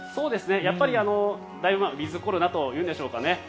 やっぱり、だいぶウィズコロナというんですかね。